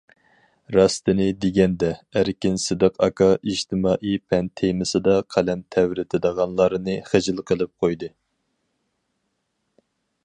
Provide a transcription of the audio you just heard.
راستىنى دېگەندە، ئەركىن سىدىق ئاكا ئىجتىمائىي پەن تېمىسىدا قەلەم تەۋرىتىدىغانلارنى خىجىل قىلىپ قويدى.